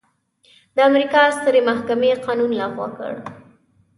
د امریکا سترې محکمې قانون لغوه کړ.